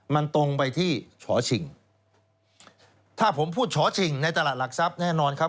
มันตรงไปที่ฉอชิงถ้าผมพูดฉอชิงในตลาดหลักทรัพย์แน่นอนครับ